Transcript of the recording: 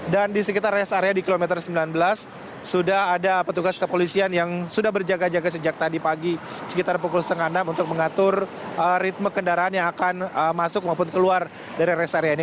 dan di sekitar rest area di kilometer sembilan belas sudah ada petugas kepolisian yang sudah berjaga jaga sejak tadi pagi sekitar pukul setengah enam untuk mengatur ritme kendaraan yang akan masuk maupun keluar dari rest area ini